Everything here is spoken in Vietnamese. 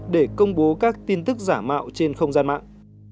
để công bố các tin tức giả mạo trên không gian mạng